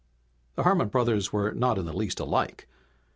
The Harmon brothers were not in the least alike.